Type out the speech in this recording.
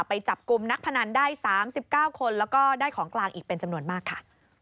ไปจับกลุ่มนักพนันได้๓๙คนแล้วก็ได้ของกลางอีกเป็นจำนวนมากค่ะ